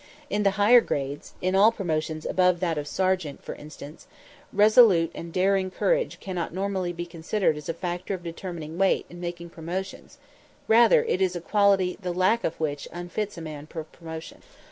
In the higher grades in all promotions above that of sergeant, for instance resolute and daring courage cannot normally be considered as a factor of determining weight in making promotions; rather is it a quality the lack of which unfits a man for promotion.